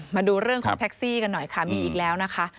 มาดูเรื่องของแท็กซี่กันหน่อยค่ะมีอีกแล้วนะคะ